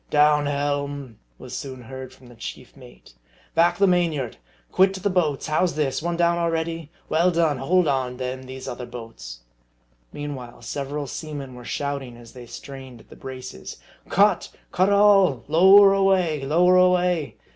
" Down helm !" was soon heard from the chief mate. " Ba^k the main yard ! Quick to the boats ! How's this ? One down already ? Well done ! Hold on, then, those other boats !" Meanwhile several seamen were shouting as they strained at the braces. " Cut ! cut all ! Lower away ! lower away